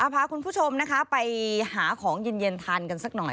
พาคุณผู้ชมนะคะไปหาของเย็นทานกันสักหน่อย